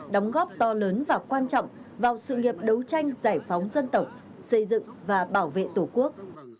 đóng góp to lớn và quan trọng vào sự nghiệp đấu tranh giải phóng dân tộc xây dựng và bảo vệ tổ quốc